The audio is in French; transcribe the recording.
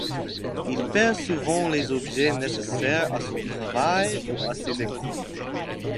Il perd souvent les objets nécessaires à son travail ou à ses activités.